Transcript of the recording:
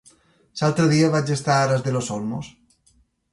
L'altre dia vaig estar a Aras de los Olmos.